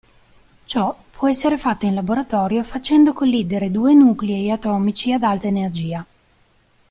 Ciò può essere fatto in laboratorio facendo collidere due nuclei atomici ad alta energia.